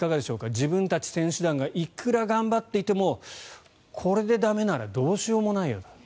自分たち選手団がいくら頑張っていてもこれで駄目ならどうしようもないよと。